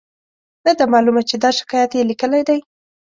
نه ده معلومه چې دا شکایت یې لیکلی دی.